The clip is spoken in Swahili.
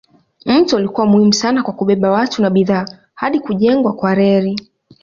Mto ulikuwa muhimu sana kwa kubeba watu na bidhaa hadi kujengwa kwa reli.